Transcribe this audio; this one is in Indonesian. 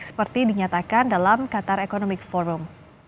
seperti dinyatakan dalam qatar economic forum